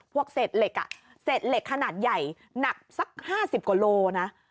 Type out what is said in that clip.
พวกเศษเหล็กอ่ะเศษเหล็กขนาดใหญ่หนักสัก๕๐กว่าโลนะ